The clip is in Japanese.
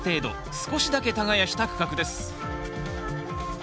少しだけ耕した区画です。